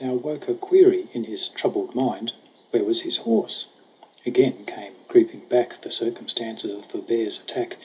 Now woke a query in his troubled mind Where was his horse ? Again came creeping back / The circumstances of the bear's attack.